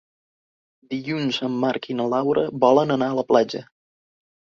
Dilluns en Marc i na Laura volen anar a la platja.